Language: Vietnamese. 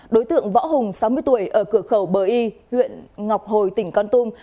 đối tượng võ hùng sáu mươi tuổi ở cửa khẩu bờ y huyện ngọc hồi tỉnh con tum